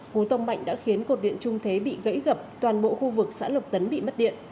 cú tông mạnh đã khiến cột điện trung thế bị gãy gập toàn bộ khu vực xã lộc tấn bị mất điện